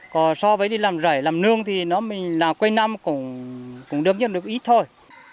còn so với đi làm rải làm nương thì nó mình làm quay năm cũng được nhất được ít thôi